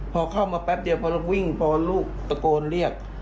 พอเข้ามาแป๊บเดียวพอเราวิ่งพอลูกตะโกนเรียก